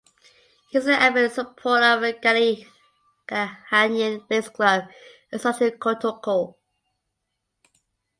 He is an avid supporter of Ghanaian based club Asante Kotoko.